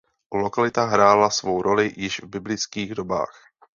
Lokalita hrála svou roli již v biblických dobách.